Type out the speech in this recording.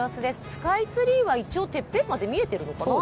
スカイツリーは一応、てっぺんまで見えているのかな。